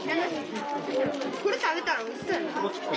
これ食べたらおいしそうやな。